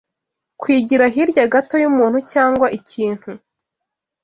Kwigira hirya gato y’umuntu cyangwa ikintu